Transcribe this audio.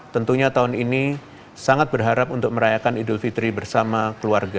tentunya tahun ini sangat berharap untuk merayakan idul fitri bersama keluarga